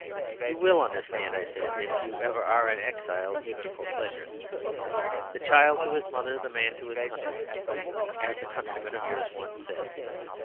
"You will understand," I said, "if ever you are an exile even for pleasure. The child to his mother, the man to his country, as a countryman of yours once said.